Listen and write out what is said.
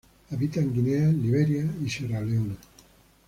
Habita en Guinea, Liberia y Sierra Leona.